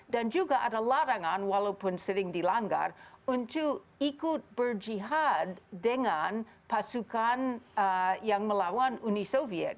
dan juga ada larangan walaupun sering dilanggar untuk ikut berjihad dengan pasukan yang melawan uni soviet